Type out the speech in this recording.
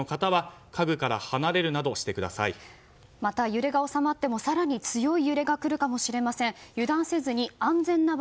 特に高層ビルなどの方は揺れが収まっても更に強い揺れが来るかもしれません。